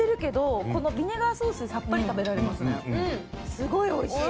すごいおいしい。